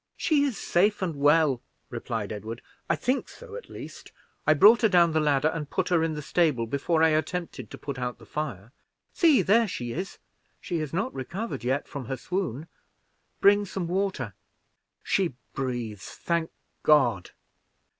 "She is safe and well," replied Edward, "I think so, at least. I brought her down the ladder, and put her in the stable before I attempted to put out the fire. See, there she is; she has not recovered yet from her swoon. Bring some water. She breathes! thank God!